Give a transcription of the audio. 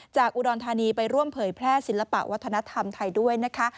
จากอุดรธานีไปร่วมเผยแพร่ศิลปะวัฒนธรรมไทยด้วยนะคะ